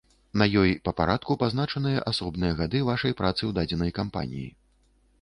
На ёй па парадку пазначаныя асобныя гады вашай працы ў дадзенай кампаніі.